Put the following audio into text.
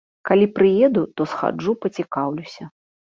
Калі прыеду, то схаджу пацікаўлюся.